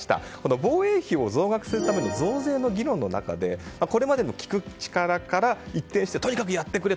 防衛費を増額するための増税の議論の中でこれまでの聞く力から一転してとにかくやってくれ！と。